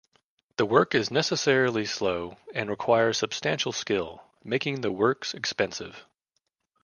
The work is necessarily slow and requires substantial skill, making the works expensive.